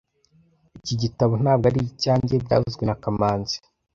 Iki gitabo ntabwo ari icyanjye byavuzwe na kamanzi